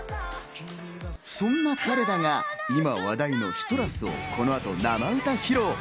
そんな彼らが今話題の『ＣＩＴＲＵＳ』をこのあと生歌披露。